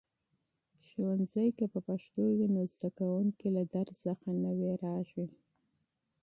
ښوونځي کې پښتو وي، زده کوونکي له درس څخه نه بیریږي.